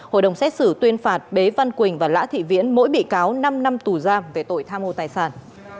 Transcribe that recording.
hội đồng xét xử tuyên phạt bế văn quỳnh và lã thị viễn mỗi bị cáo năm năm tù giam về tội tham mô tài sản